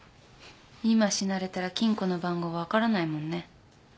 今死なれたら金庫の番号分からないもんね。